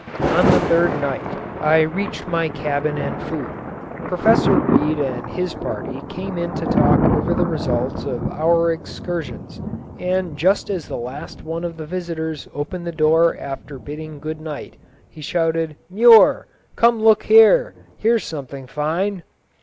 On the third night I reached my cabin and food. Professor Reid and his party came in to talk over the results of our excursions, and just as the last one of the visitors opened the door after bidding good night, he shouted, "Muir, come look here. Here's something fine."